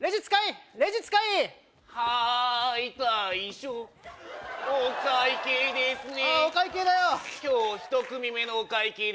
渋いですね